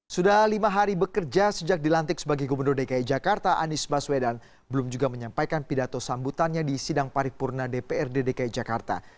sudah lima hari bekerja sejak dilantik sebagai gubernur dki jakarta anies baswedan belum juga menyampaikan pidato sambutannya di sidang paripurna dprd dki jakarta